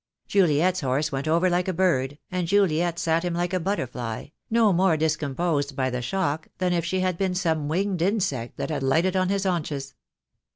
Juliet's horse went over like a bird, and Juliet sat him like a butterfly, no more discomposed by the shock than if she had been some winged insect that had lighted on his haunches.